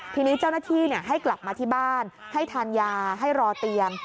ทีนี้เจ้าหน้าที่ให้กลับมาที่บ้านให้ทานยาให้รอเตียง